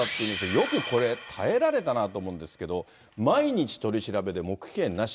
よくこれ、耐えられたなと思うんですけど、毎日取り調べで黙秘権なし。